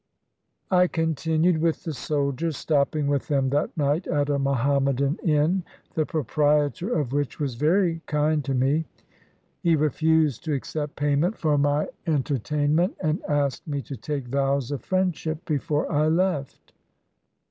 I continued with the soldiers, stopping with them that night at a Mohammedan inn, the proprietor of which was very kind to me. He refused to accept payment for my enter 240 THE ADVENTURES OF YAO CHEN YUAN tainment and asked me to take vows of friendship be fore I left.